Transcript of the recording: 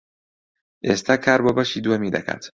ئێستا کار بۆ بەشی دووەمی دەکات.